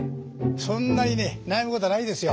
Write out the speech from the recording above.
そんなにね悩むことはないですよ。